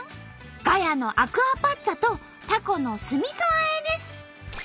ガヤのアクアパッツァとたこの酢みそあえです。